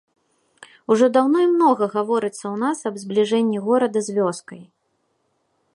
Ужо даўно і многа гаворыцца ў нас аб збліжэнні горада з вёскай.